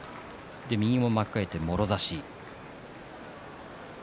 右も巻き替えてもろ差し。